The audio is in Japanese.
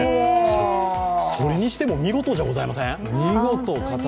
それにしても見事じゃございません？